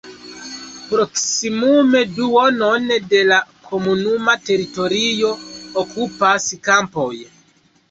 Proksimume duonon de la komunuma teritorio okupas kampoj.